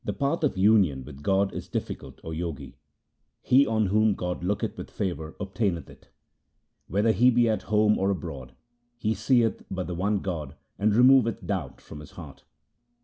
LIFE OF GURU AMAR DAS 73 The path of union with God is difficult, O Jogi ; he on whom God looketh with favour obtaineth it. Whether he be at home or abroad, he seeth but the one God, and removeth doubt from his heart.